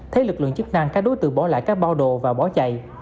thấy lực lượng chức năng các đối tượng bỏ lại các bao đồ và bỏ chạy